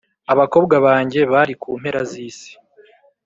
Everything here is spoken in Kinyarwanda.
abakobwa banjye bari ku mpera z’isi,